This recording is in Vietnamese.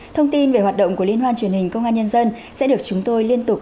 thông tin về hoạt động của liên hoan truyền hình công an nhân dân sẽ được chúng tôi liên tục